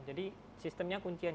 jadi sistemnya kuncian